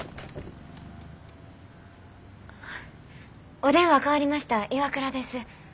お電話代わりました岩倉です。